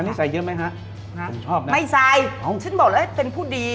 อันนี้ใส่เยอะไหมฮะผมชอบนะไม่ใส่ฉันบอกแล้วเป็นผู้ดี